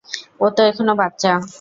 ও তো এখনো বাচ্চা!